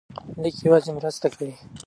لیک یوازې مرسته کوي.